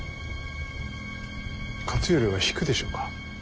勝頼は引くでしょうか。